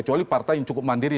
kecuali partai yang cukup mandiri